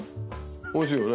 おいしいよね？